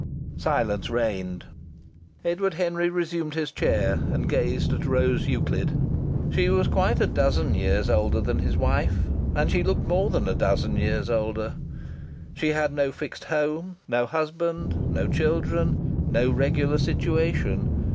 Silence reigned. Edward Henry resumed his chair, and gazed at Rose Euclid. She was quite a dozen years older than his wife, and she looked more than a dozen years older. She had no fixed home, no husband, no children, no regular situation.